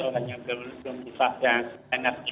orang yang belum divaksinasi